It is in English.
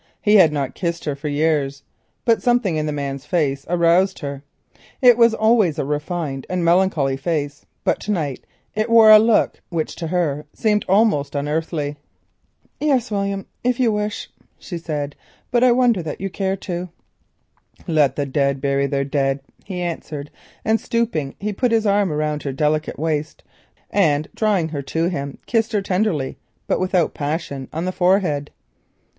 He had not kissed her for years. But something in the man's face touched her. It was always a refined and melancholy face, but to night it wore a look which to her seemed almost unearthly. "Yes, William, if you wish," she said; "but I wonder that you care to." "Let the dead bury their dead," he answered, and stooping he put his arm round her delicate waist and drawing her to him kissed her tenderly but without passion on her forehead.